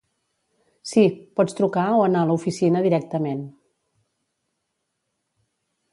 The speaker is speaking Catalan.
Sí, pots trucar o anar a l'oficina directament.